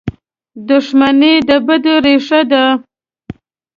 • دښمني د بدۍ ریښه ده.